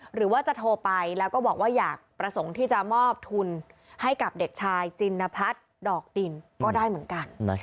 หรือว่าจะโทรไปแล้วก็บอกว่าอยากประสงค์ที่จะมอบทุนให้กับเด็กชายจินพัฒน์ดอกดินก็ได้เหมือนกัน